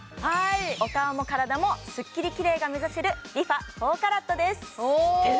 お顔も体もスッキリきれいが目指せるＲｅＦａ４ＣＡＲＡＴです